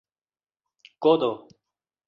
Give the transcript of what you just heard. kodo